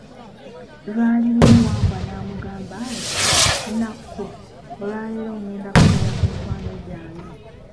Lwali lumu Wambwa n'amugamba nti, Nakku, olwaleero ngenda kukyalira ku mikwano gyange.